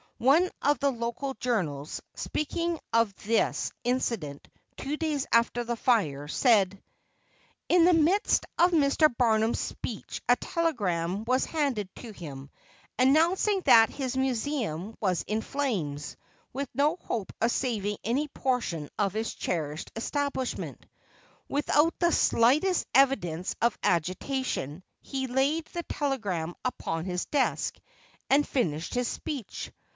One of the local journals, speaking of this incident, two days after the fire, said: In the midst of Mr. Barnum's speech a telegram was handed to him, announcing that his Museum was in flames, with no hope of saving any portion of his cherished establishment. Without the slightest evidence of agitation, he laid the telegram upon his desk and finished his speech.